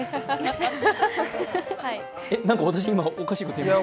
何か私、今おかしいこと言いました？